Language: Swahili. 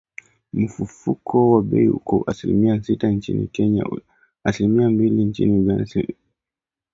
Mfumuko wa bei uko asilimia sita nchini Kenya, asilimia mbili nchini Uganda na Rwanda, asilimia nane nchini Tanzania, asilimia tatu nchini Burundi